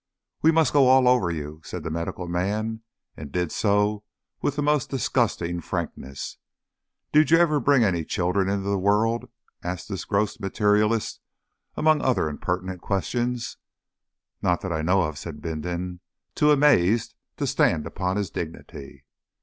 "We must go all over you," said the medical man, and did so with the most disgusting frankness. "Did you ever bring any children into the world?" asked this gross materialist among other impertinent questions. "Not that I know of," said Bindon, too amazed to stand upon his dignity.